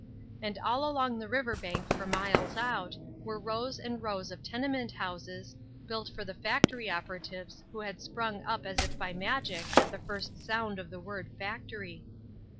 And all along the river bank for miles out, were rows and rows of tenement houses, built for the factory opera tives who had sprung up as if by magic at the first sound of the word factory.